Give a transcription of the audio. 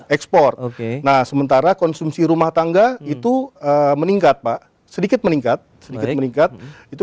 ekspor nah sementara konsumsi rumah tangga itu meningkat pak sedikit meningkat sedikit meningkat itu